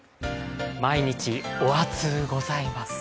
毎日、お暑うございます。